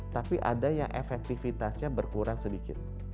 tapi ada yang efektivitasnya berkurang sedikit